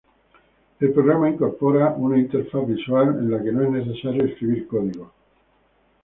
El programa incorpora una interfaz visual en la que no es necesario escribir código.